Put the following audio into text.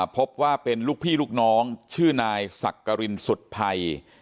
พบว่าเป็นลูกพี่ลูกน้องชื่อนายสักกรินสุดภัย